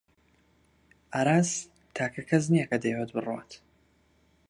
ئاراس تاکە کەس نییە کە دەیەوێت بڕوات.